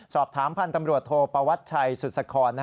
สอบถามพันธ์ตำรวจโทปวัชชัยสุศคร